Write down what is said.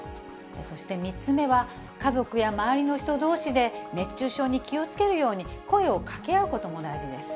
そして３つ目は、家族や周りの人どうしで、熱中症に気をつけるように、声をかけ合うことも大事です。